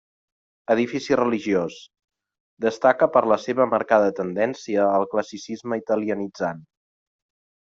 Edifici religiós; destaca per la seva marcada tendència al classicisme italianitzant.